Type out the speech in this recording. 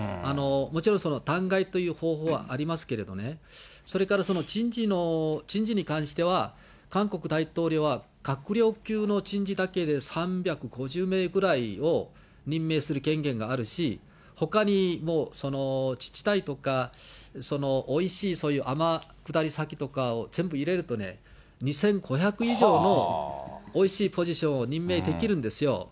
もちろん、弾劾という方法はありますけどね、それからその人事に関しては、韓国大統領は閣僚級の人事だけで３５０名ぐらいを任命する権限があるし、ほかにも自治体とか、おいしい、そういう天下り先を全部入れるとね、２５００以上のおいしいポジションを任命できるんですよ。